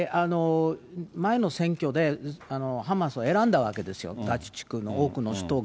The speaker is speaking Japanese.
前の選挙で、ハマスを選んだわけですよ、ガザ地区の多くの人たちが。